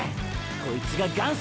こいつが元祖！！